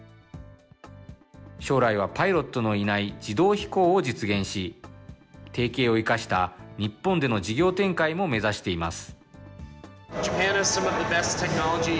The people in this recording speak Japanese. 将来はパイロットのいない自動飛行を実現し、提携を生かした日本での事業展開も目指しています。